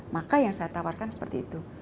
maka yang saya tawarkan seperti itu